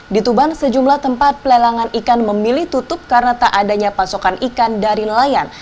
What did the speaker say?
di tuban sejumlah tempat pelelangan ikan memilih tutup karena tak adanya pasokan ikan dari nelayan